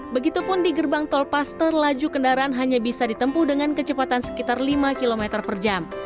begitupun di gerbang tolpaster laju kendaraan hanya bisa ditempuh dengan kecepatan sekitar lima km per jam